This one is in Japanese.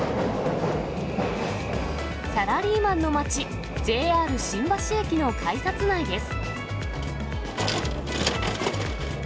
サラリーマンの街、ＪＲ新橋駅の改札内です。